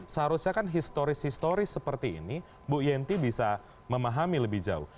seharusnya kan historis historis seperti ini bu yenti bisa memahami lebih jauh